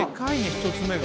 １つ目が。